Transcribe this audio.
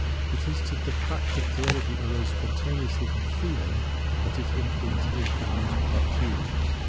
It is to the fact that theology arose spontaneously from feeling that its influence is for the most part due.